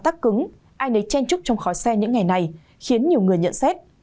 tình trạng tắc cứng ai nấy chen trúc trong khói xe những ngày này khiến nhiều người nhận xét